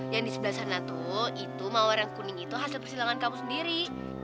yang di sebelah sana tuh itu mawar yang kuning itu hasil persilangan kamu sendiri